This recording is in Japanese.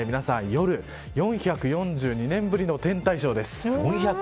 そして、あしたは皆さん夜４４２年ぶりの天体ショーです。